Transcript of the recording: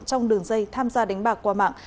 trong đường dây tham gia đánh bạc qua mạng